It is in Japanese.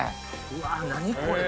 うわ何これ？